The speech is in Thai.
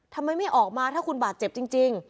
ทำไมไม่ออกมาถ้าคุณบาดเจ็บจริง